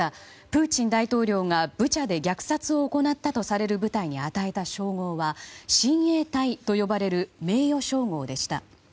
プーチン大統領がブチャで虐殺を行ったとされる部隊に与えた称号は親衛隊と呼ばれる名誉称号でした。